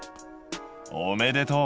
おめでとう！